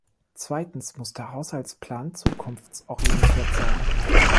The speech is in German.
Zweitens muss der Haushaltsplan zukunftsorientiert sein.